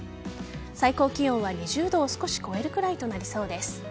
最高気温は２０度を少し超えるくらいとなりそうです。